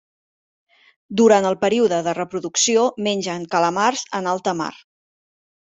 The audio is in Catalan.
Durant el període de reproducció mengen calamars en alta mar.